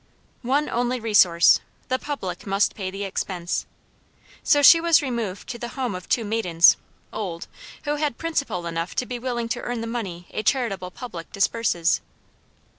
One only resource; the public must pay the expense. So she was removed to the home of two maidens, (old,) who had principle enough to be willing to earn the money a charitable public disburses.